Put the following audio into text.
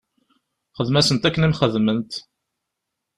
Xdem-asent akken i m-xedment.